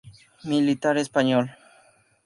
Militar español.